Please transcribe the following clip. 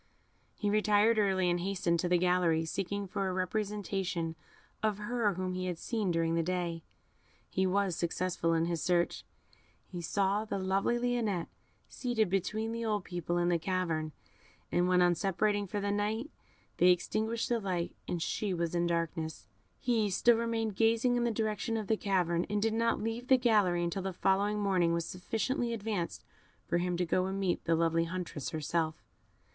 He retired early, and hastened to the gallery, seeking for a representation of her whom he had seen during the day he was successful in his search; he saw the lovely Lionette seated between the old people in the cavern, and when, on separating for the night, they extinguished the light, and she was in darkness, he still remained gazing in the direction of the cavern, and did not leave the gallery until the following morning was sufficiently advanced for him to go and meet the lovely huntress herself.